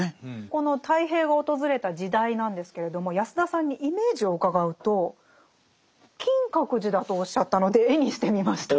この太平が訪れた時代なんですけれども安田さんにイメージを伺うと金閣寺だとおっしゃったので絵にしてみました。